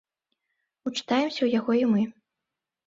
Учытаемся ў яго і мы.